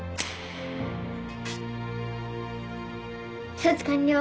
処置完了。